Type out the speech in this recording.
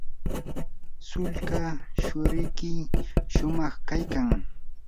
sulka tsurikiy shumaq kaykan.